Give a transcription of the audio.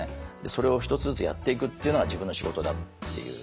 それを１つずつやっていくっていうのが自分の仕事だっていう。